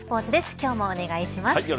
今日もお願いします。